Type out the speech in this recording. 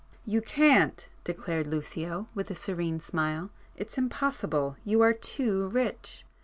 "You can't!" declared Lucio with a serene smile—"It's impossible. You are too rich.